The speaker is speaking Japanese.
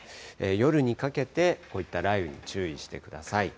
夜にかけて、こういった雷雨に注意してください。